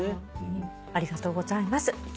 ありがとうございます。